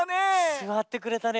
すわってくれたね。